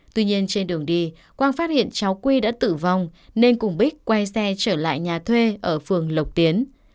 tuy nhiên trên đường đi quang phát hiện cháu quy đã tử vong nên cùng bích quay xe trở lại nhà thuê ở phường lộc tiến